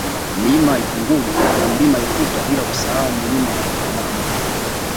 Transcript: Mlima Ipungulu na Mlima Iputa bila kusahau Milima ya Iraramo